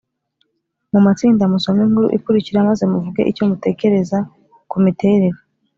mu matsinda musome inkuru ikurikira maze muvuge icyo mutekereza ku miterere